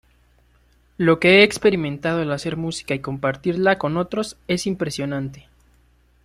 Lo que he experimentado al hacer música y compartirla con otros es impresionante.